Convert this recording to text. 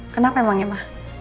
kenapa emang ya ma